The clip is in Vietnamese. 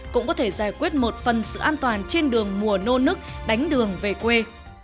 cũng có thể giải quyết một phần sự an toàn trên đường mùa nô nức đánh đường về quê